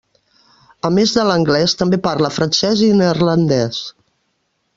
A més de l'anglès, també parla francès i neerlandès.